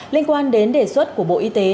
liên quan đến đề xuất của bộ y tế